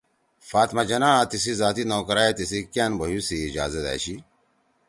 فاطمہ جناح آں تیسی ذاتی نوکرائے تِیسی کأن بھیُو سی اجازت أشی“